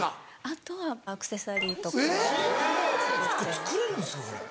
作れるんですかこれ。